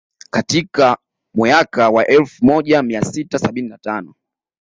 Katika mweaka wa elfu moja mia sita sabini na tano